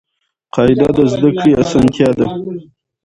قاعده د زده کړي اسانتیا ده.